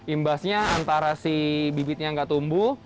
imbasnya antara si bibitnya nggak tumbuh